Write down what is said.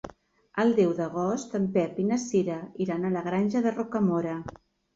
El deu d'agost en Pep i na Cira iran a la Granja de Rocamora.